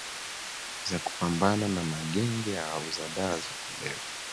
za kupambana na magenge ya wauza dawa za kulevya